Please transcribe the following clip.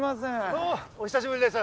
どうもお久しぶりです。